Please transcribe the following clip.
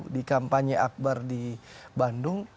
di kampanye akbar di bandung